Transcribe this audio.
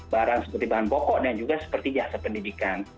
barang seperti bahan pokok dan juga seperti jasa pendidikan